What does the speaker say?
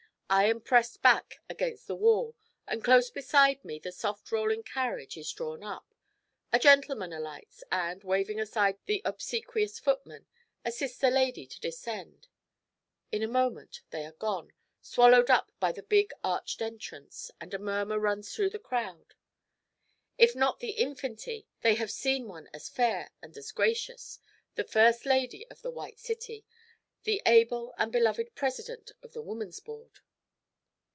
I am pressed back against the wall, and close beside me the soft rolling carriage is drawn up; a gentleman alights, and, waving aside the obsequious footman, assists a lady to descend. In a moment they are gone, swallowed up by the big arched entrance, and a murmur runs through the crowd. If not the 'infanty,' they have seen one as fair and as gracious, the first lady of the White City, the able and beloved president of the Woman's Board.